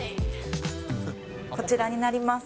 こちらになります。